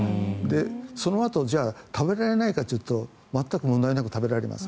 そのあとじゃあ食べられないかというと全く問題なく食べられます。